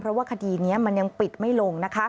เพราะว่าคดีนี้มันยังปิดไม่ลง